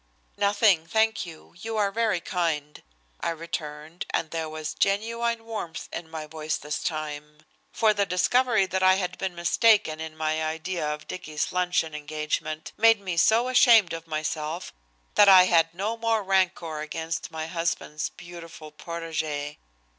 "Nothing, thank you, you are very kind," I returned, and there was genuine warmth in my voice this time. For the discovery that I had been mistaken in my idea of Dicky's luncheon engagement made me so ashamed of myself that I had no more rancor against my husband's beautiful protégé.